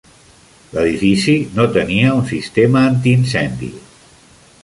L'edifici no tenia un sistema antiincendis.